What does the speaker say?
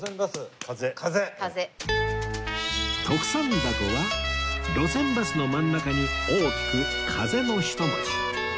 徳さん凧は「路線バ寿」の真ん中に大きく「風」の一文字